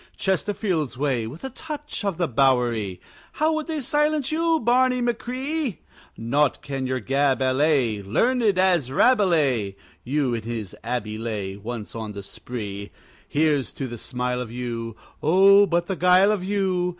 Chesterfield's way, with a touch of the Bowery! How would they silence you, Barney machree? Naught can your gab allay, Learned as Rabelais (You in his abbey lay Once on the spree). Here's to the smile of you, (Oh, but the guile of you!)